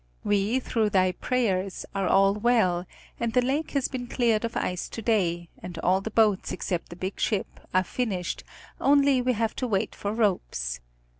We, through thy prayers, are all well, and the lake has been cleared of ice to day, and all the boats, except the big ship, are finished, only we have to wait for ropes.